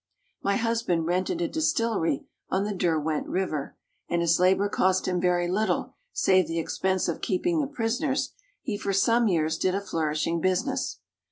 ' My husband rented a distillery on the Derwent Eiver, and as labor cost him very little, save the expense of keeping the pris oners, he for some years did a flourishing business.